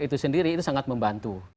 itu sendiri sangat membantu